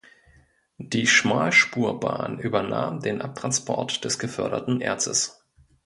Die Schmalspurbahn übernahm den Abtransport des geförderten Erzes.